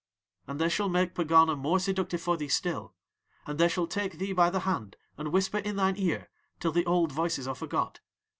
And they shall make Pegana more seductive for thee still, and they shall take thee by the hand and whisper in thine ear till the old voices are forgot.